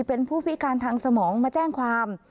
เป็นผู้พิการทางสมองมาแจ้งความ